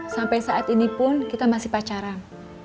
sampai saat ini pun kita masih pacaran